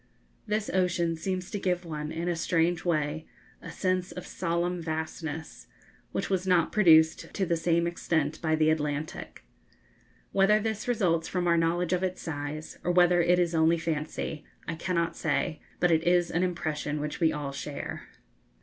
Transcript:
This ocean seems to give one, in a strange way, a sense of solemn vastness, which was not produced to the same extent by the Atlantic. Whether this results from our knowledge of its size, or whether it is only fancy, I cannot say, but it is an impression which we all share.